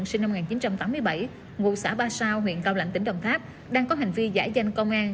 sinh năm một nghìn chín trăm tám mươi bảy ngụ xã ba sao huyện cao lãnh tỉnh đồng tháp đang có hành vi giả danh công an